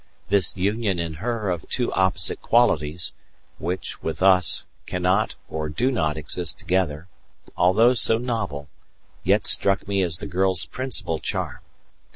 This union in her of two opposite qualities, which, with us, cannot or do not exist together, although so novel, yet struck me as the girl's principal charm.